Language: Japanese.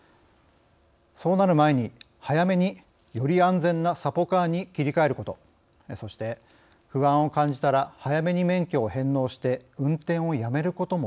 そうなる前に早めにより安全なサポカーに切り替えることそして不安を感じたら早めに免許を返納して運転をやめることも検討してもらいたいと思います。